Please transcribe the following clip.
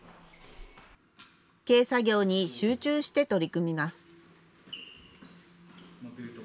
軽作業に集中して取り組みます。